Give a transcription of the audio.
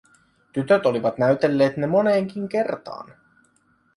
Tytöt olivat näytelleet ne moneenkin kertaan.